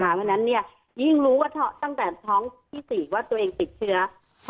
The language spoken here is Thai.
เพราะฉะนั้นยิ่งรู้ว่าตั้งแต่ท้องที่๔ว่าตัวเองติดเชื้อ